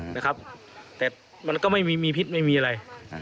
แต่มันก็ไม่มีพิษไม่มีอะไร